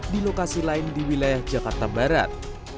di lokasi lain di wilayah jakarta barat